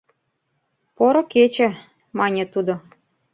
— Поро кече, — мане тудо.